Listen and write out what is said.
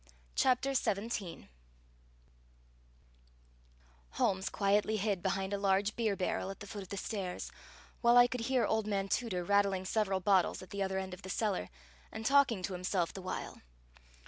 CHAPTER XVII Holmes quietly hid behind a large beer barrel at the foot of the stairs, while I could hear old man Tooter rattling several bottles at the other end of the cellar, and talking to himself the while.